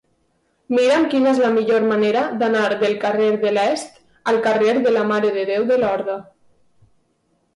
Mira'm quina és la millor manera d'anar del carrer de l'Est al carrer de la Mare de Déu de Lorda.